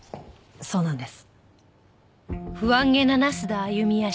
そうなんです。